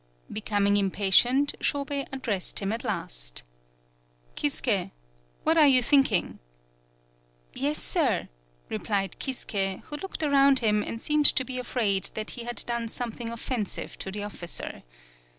Becoming impatient, Shobei ad dressed him at last : "Kisuke, what are you thinking?" "Yes, sir," replied Kisuke, who looked around him and seemed to be afraid that he had done something of fensive to the officer.